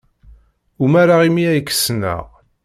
Umareɣ imi ay k-ssneɣ.